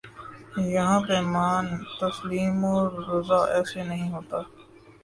یہاں پیمان تسلیم و رضا ایسے نہیں ہوتا